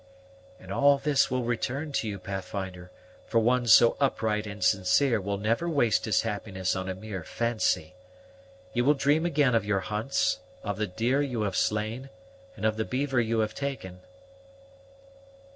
"And all this will return to you, Pathfinder, for one so upright and sincere will never waste his happiness on a mere fancy. You will dream again of your hunts, of the deer you have slain, and of the beaver you have taken."